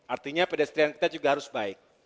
artinya pedestrian kita juga harus baik